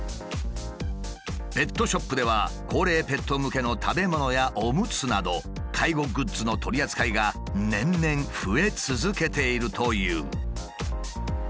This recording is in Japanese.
ペットショップでは高齢ペット向けの食べ物やおむつなど介護グッズの取り扱いが年々増え続けているという。